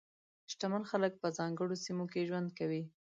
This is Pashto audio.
شتمن خلک په ځانګړو سیمو کې ژوند کوي.